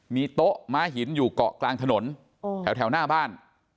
มีโต๊ะม้าหินอยู่เกาะกลางถนนแถวหน้าบ้าน